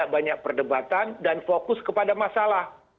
banyak perdebatan dan fokus kepada masalah